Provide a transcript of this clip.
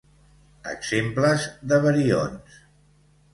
Exemples de barions: